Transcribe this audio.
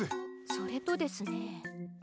それとですね。